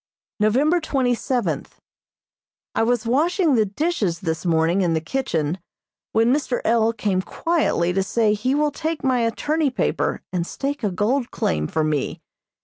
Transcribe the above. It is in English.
November twenty seventh: I was washing the dishes this morning in the kitchen, when Mr. L. came quietly to say he will take my attorney paper and stake a gold claim for me.